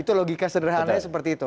itu logika sederhananya seperti itu